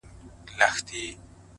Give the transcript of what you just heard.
نو گراني تاته وايم،